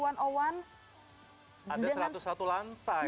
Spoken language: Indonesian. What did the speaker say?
satu ada satu ratus satu lantai